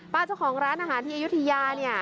เจ้าของร้านอาหารที่อายุทยาเนี่ย